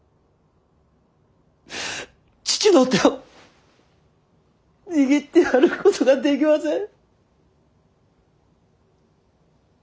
父の手を握ってやることができません。